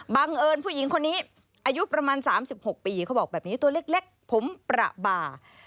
บังเอิญผู้หญิงคนนี้อายุประมาณ๓๖ปีเขาบอกแบบนี้ตัวเล็กผมประบา